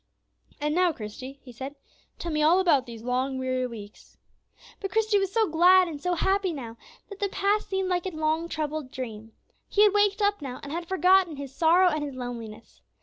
"And now, Christie," he said, "tell me all about these long, weary weeks." But Christie was so glad and so happy now, that the past seemed like a long, troubled dream. He had waked up now, and had forgotten his sorrow and his loneliness.